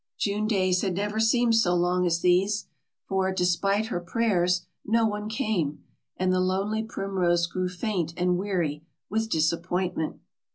June days had never seemed so long as these, for, despite her prayers, no one came, and the lonely primrose grew faint and weary with disappointment.